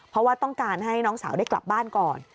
เพราะว่าต้องการให้น้องสาวได้กลับบ้านก่อน